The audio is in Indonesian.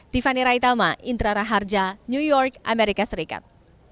tiffany raitama indra raharja new york amerika serikat